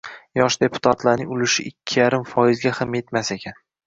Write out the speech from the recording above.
Yosh deputatlarning ulushi ikki yarim foizga ham yetmas ekan.